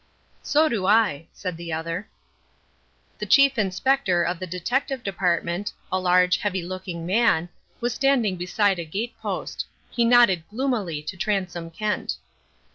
"So do I," said the other. The Chief Inspector of the Detective Department, a large, heavy looking man, was standing beside a gate post. He nodded gloomily to Transome Kent.